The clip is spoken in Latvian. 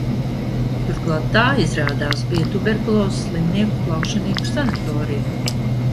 Turklāt tā, izrādās, bija tuberkulozes slimnieku, plaušenieku sanatorija.